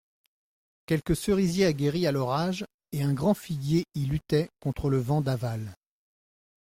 Quelques cerisiers aguerris à l'orage et un grand figuier y luttaient contre le vent d'aval.